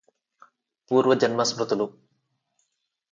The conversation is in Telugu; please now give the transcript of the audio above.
పూర్వ జన్మ స్మృతులు